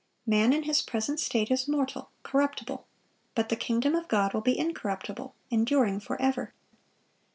(528) Man in his present state is mortal, corruptible; but the kingdom of God will be incorruptible, enduring forever.